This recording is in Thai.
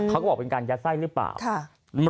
เขาก็บอกเป็นการยัดไส้หรือเปล่า